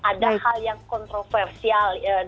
ada hal yang kontroversial di sana